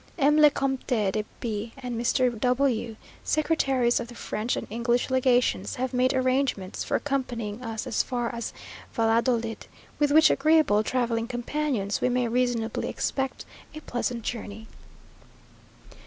M. le Comte de B and Mr. W , secretaries of the French and English Legations, have made arrangements for accompanying us as far as Valadolid; with which agreeable travelling companions we may reasonably expect a pleasant journey.